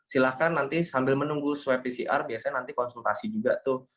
silahkan nanti sambil menunggu swab pcr biasanya nanti konsultasi juga tuh